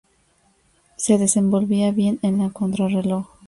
Se desenvolvía bien en la contrarreloj.